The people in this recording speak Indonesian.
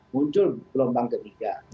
muncul gelombang ketiga